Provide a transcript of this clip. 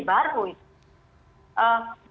maka itu tidak akan terjadi